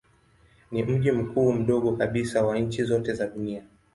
Ni mji mkuu mdogo kabisa wa nchi zote za dunia.